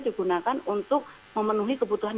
digunakan untuk memenuhi kebutuhan